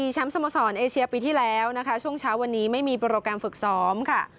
แชมป์สโมสรเอเชียปีที่แล้วนะคะช่วงเช้าวันนี้ไม่มีโปรแกรมฝึกซ้อมค่ะ